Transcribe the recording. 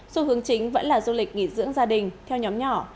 xu hướng chính vẫn là du lịch nghỉ dưỡng gia đình theo nhóm nhỏ